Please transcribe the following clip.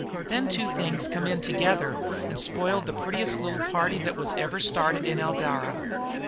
"Then two things come in together and spoiled the prettiest little party that was ever started in Eldara.